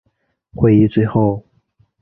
会议最后